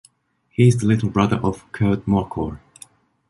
He is the little brother of Kurt Mørkøre.